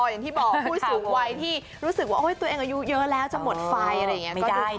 อย่างที่บอกผู้สูงวัยที่รู้สึกว่าตัวเองอายุเยอะแล้วจะหมดไฟอะไรอย่างนี้ก็ได้